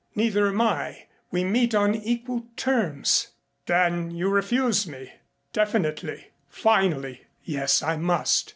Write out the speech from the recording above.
Neither am I. We meet on equal terms." "Then you refuse me definitely, finally." "Yes, I must."